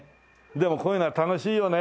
でもこういうのは楽しいよね。